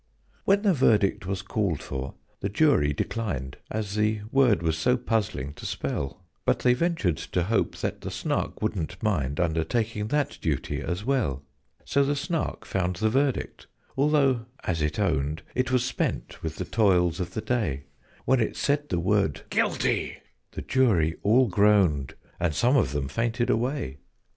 When the verdict was called for, the Jury declined, As the word was so puzzling to spell; But they ventured to hope that the Snark wouldn't mind Undertaking that duty as well. So the Snark found the verdict, although, as it owned, It was spent with the toils of the day: When it said the word "GUILTY!" the Jury all groaned And some of them fainted away.